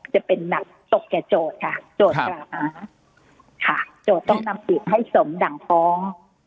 จะเป็นหนักตกแก่โจทย์ค่ะโจทย์กล่าวหาค่ะโจทย์ต้องนำผิดให้สมดั่งฟ้อง